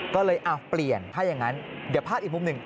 ก็เลยเอาเปลี่ยนถ้าอย่างนั้นเดี๋ยวภาพอีกมุมหนึ่ง